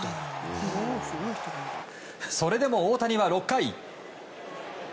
それでも大谷は６回。